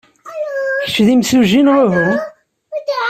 Kečč d imsujji neɣ uhu?